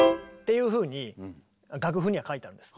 いうふうに楽譜には書いてあるんです。